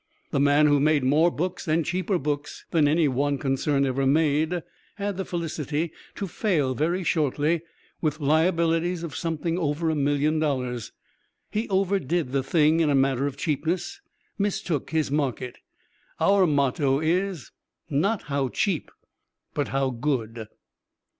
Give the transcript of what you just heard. The man who made more books and cheaper books than any one concern ever made, had the felicity to fail very shortly, with liabilities of something over a million dollars. He overdid the thing in matter of cheapness mistook his market. Our motto is, "Not How Cheap, But How Good."